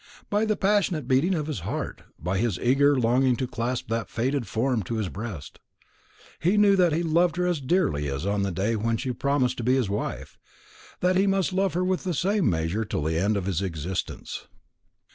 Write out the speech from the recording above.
By the passionate beating of his heart, by his eager longing to clasp that faded form to his breast, he knew that he loved her as dearly as on the day when she promised to be his wife; that he must love her with the same measure till the end of his existence.